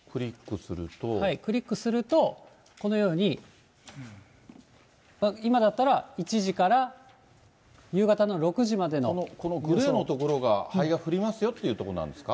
クリックすると、このように、今だったら、このグレーの所が、灰が降りますよという所なんですか？